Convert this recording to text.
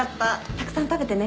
たくさん食べてね。